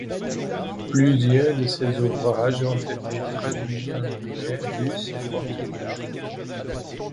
Plusieurs de ses ouvrages ont été traduits en anglais, russe et portugais.